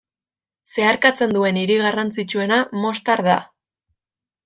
Zeharkatzen duen hiri garrantzitsuena Mostar da.